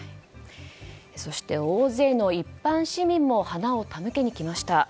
そして大勢の一般市民も花を手向けに来ました。